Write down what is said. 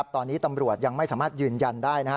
ตอนนี้ตำรวจยังไม่สามารถยืนยันได้